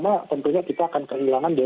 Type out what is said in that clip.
itu bukan hanya tan yang harganya jatuh